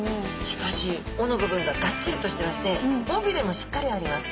しかしおの部分ががっちりとしてましておびれもしっかりあります。